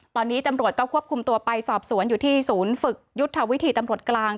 ตอนนี้ตำรวจก็ควบคุมตัวไปสอบสวนอยู่ที่ศูนย์ฝึกยุทธวิธีตำรวจกลาง